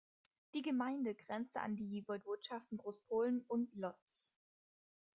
Die Gemeinde grenzt an die Woiwodschaften Großpolen und Łódź.